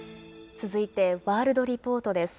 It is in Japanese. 続いて、ワールドリポートです。